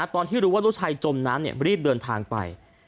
ตอนที่รู้ว่าลูกชายจมน้ำรีบเดินทางไป